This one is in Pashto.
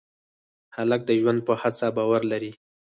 هلک د ژوند په هڅه باور لري.